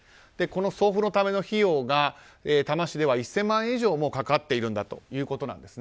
送付のための費用が多摩市では１０００万円以上かかっているんだということです。